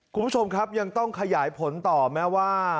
คุณผู้ชมครับยังต้องขยายผลต่อแม้ว่า